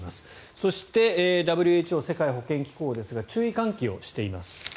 そしてＷＨＯ・世界保健機関ですが注意喚起をしています。